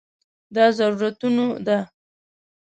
دا ضرورتونو ده.